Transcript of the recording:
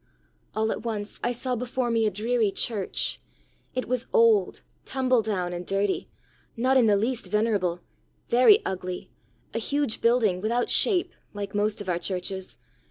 "All at once I saw before me a dreary church. It was old, tumble down, and dirty not in the least venerable very ugly a huge building without shape, like most of our churches.